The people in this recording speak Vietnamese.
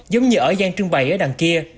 giống như ở gian trưng bày ở đằng kia